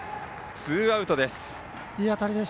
ツーアウトです。